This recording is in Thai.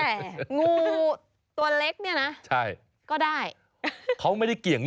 เอาอย่างนั้นเลยหรอ